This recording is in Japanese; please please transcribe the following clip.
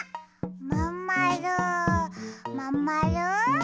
まんまるまんまる？